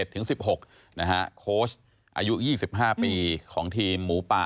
ถึง๑๖นะฮะอายุ๒๕ปีของทีมหมูป่า